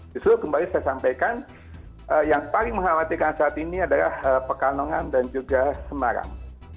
justru kembali saya sampaikan yang paling mengkhawatirkan saat ini adalah pekalongan dan juga semarang